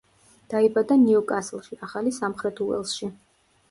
დაიბადა ნიუკასლში, ახალი სამხრეთ უელსში.